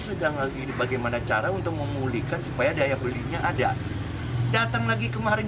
sedang lagi bagaimana cara untuk memulihkan supaya daya belinya ada datang lagi kemarin